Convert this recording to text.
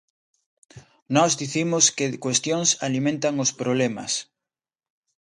Nós dicimos que cuestións alimentan os problemas.